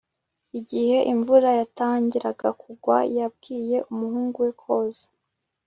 igihe imvura yatangiraga kugwa, yabwiye umuhungu we koza